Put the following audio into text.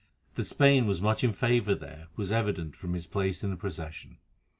That Spain was much in favour there was evident from his place in the procession.